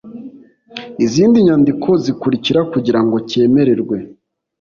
Izindi nyandiko zikurikira kugirango cyemererwe